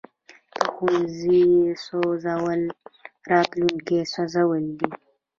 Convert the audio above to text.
د ښوونځي سوځول راتلونکی سوځول دي.